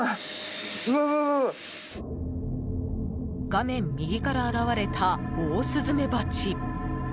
画面右から現れたオオスズメバチ。